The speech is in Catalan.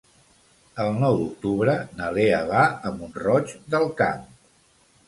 El nou d'octubre na Lea va a Mont-roig del Camp.